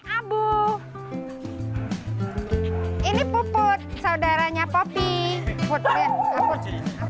ini abu ini puput saudaranya popi puput puput